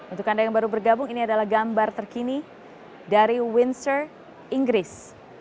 untuk anda yang baru bergabung ini adalah gambar terkini dari windsor inggris